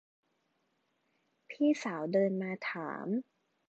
พี่สาวเดินมาถาม